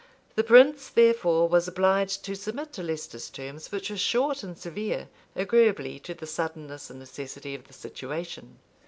The prince, therefore, was obliged to submit to Leicester's terms, which were short and severe, agreeably to the suddenness and necessity of the situation.